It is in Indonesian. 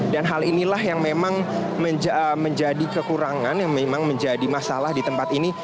dan hal inilah yang memang menjadi kekurangan yang memang menjadi masalah di tempat ini